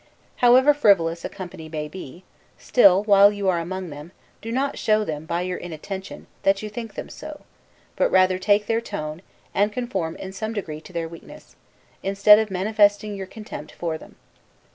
However frivolous a company may be, still, while you are among them, do not show them, by your inattention, that you think them so; but rather take their tone, and conform in some degree to their weakness, instead of manifesting your contempt for them.